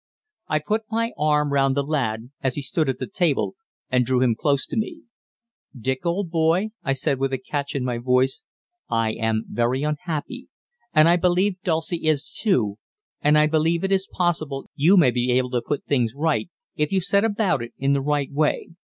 I put my arm round the lad, as he stood at the table, and drew him close to me. "Dick, old boy," I said with a catch in my voice, "I am very unhappy, and I believe Dulcie is too, and I believe it is possible you may be able to put things right if you set about it in the right way.